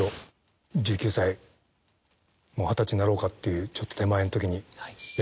もう二十歳になろうかっていうちょっと手前のときに。